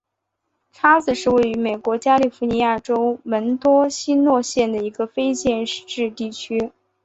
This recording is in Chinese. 叉子是位于美国加利福尼亚州门多西诺县的一个非建制地区。